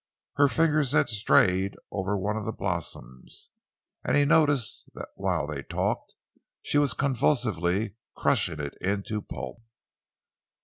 Her fingers had strayed over one of the blossoms, and he noticed that while they talked she was convulsively crushing it into pulp.